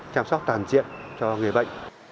chăm sóc toàn diện cho người bệnh